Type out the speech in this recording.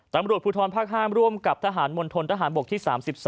ตำรวจภูทรภาค๕ร่วมกับทหารมณฑนทหารบกที่๓๒